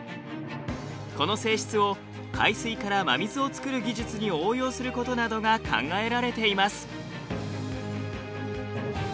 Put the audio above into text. この性質を海水から真水を作る技術に応用することなどが考えられています。